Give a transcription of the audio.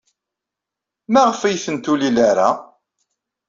Maɣef ur tent-tulil ara?